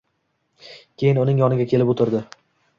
Keyin uning yoniga kelib o‘tirdi.